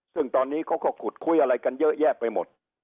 ซึ่งตอนนี้เขาก็ขุดคุยอะไรกันเยอะแยะไปหมด